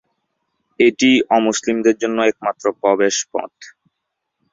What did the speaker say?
এটি অমুসলিমদের জন্য একমাত্র প্রবেশ পথ।